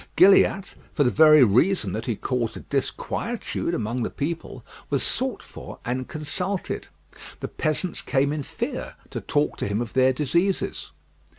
Gilliatt, for the very reason that he caused disquietude among the people, was sought for and consulted. The peasants came in fear, to talk to him of their diseases.